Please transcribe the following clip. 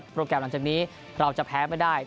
โปรแกรมอันที่นี้เราจะแพ้ไม่ได้